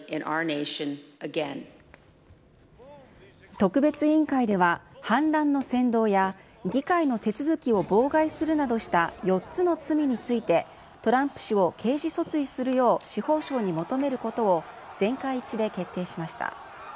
特別委員会では、反乱の扇動や議会の手続きを妨害するなどした４つの罪について、トランプ氏を刑事訴追するよう司法省に求めることを全会一致で決定しました。